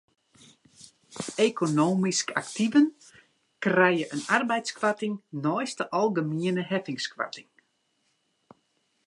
Ekonomysk aktiven krije in arbeidskoarting neist de algemiene heffingskoarting.